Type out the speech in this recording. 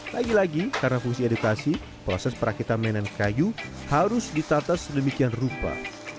lagi lagi karena fungsi edukasi proses perakitan mainan kayu harus ditata sedemikian rupa